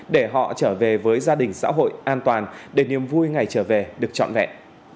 để họ trở về với gia đình xã hội an toàn để niềm vui ngày trở về được trọn vẹn